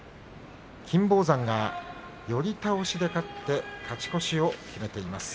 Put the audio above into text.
金峰山が寄り倒しで勝って勝ち越しを決めています。